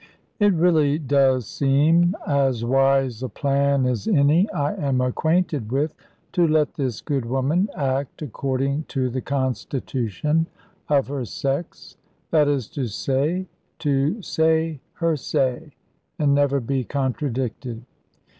It really does seem as wise a plan as any I am acquainted with, to let this good woman act according to the constitution of her sex, that is to say, to say her say, and never be contradicted.